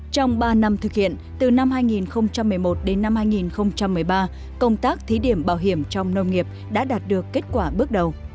trong ba năm thực hiện từ năm hai nghìn một mươi một đến năm hai nghìn một mươi ba công tác thí điểm bảo hiểm trong nông nghiệp đã đạt được kết quả bước đầu